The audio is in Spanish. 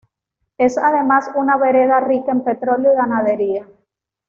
Es además una vereda rica en petróleo y ganadería.